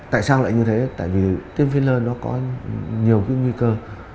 tại sao lại như thế tại vì tiêm filler nó có nhiều cái nguy cơ